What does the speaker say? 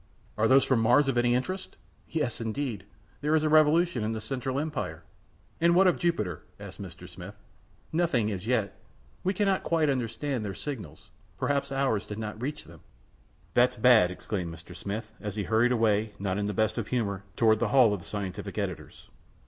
"Are those from Mars of any interest?" "Yes, indeed. There is a revolution in the Central Empire." "And what of Jupiter?" asked Mr. Smith. "Nothing as yet. We cannot quite understand their signals. Perhaps ours do not reach them." "That's bad," exclaimed Mr. Smith, as he hurried away, not in the best of humor, toward the hall of the scientific editors.